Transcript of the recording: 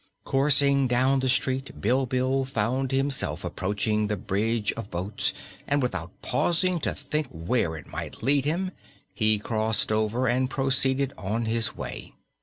Coursing down the street, Bilbil found himself approaching the bridge of boats and without pausing to think where it might lead him he crossed over and proceeded on his way.